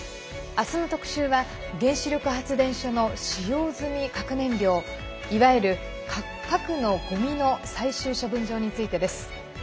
明日の特集は原子力発電所の使用済み核燃料いわゆる核のごみの最終処分場についてです。